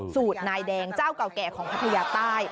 สูตรนายแดงเจ้าเก่าแก่ของพัทยาใต้